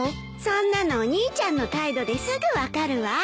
そんなのお兄ちゃんの態度ですぐ分かるわ。